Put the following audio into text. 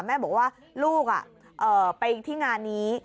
แม่บอกว่าลูกไปที่งานนี้